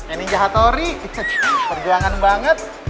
ini jahatori terjuangan banget